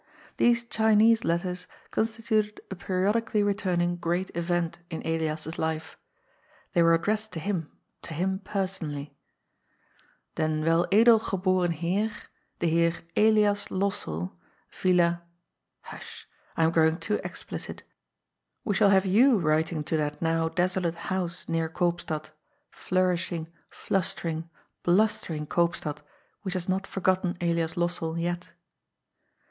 These Chinese letters constituted a periodically returning Great Event in Elias's life. They were addressed to him, to him personally. Den Wei Edel Oeboren Heer^ Den Heer Elias Lossell^ Villa . Hush, I am growing too explicit. We shall have you writing to that now desolate house near Koopstad — flourish ing, flustering, blustering Koopstad, which has not for gotten Elias Lossell yet.